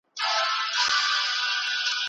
د اې ای رول ورځ تر بلې زیاتېږي.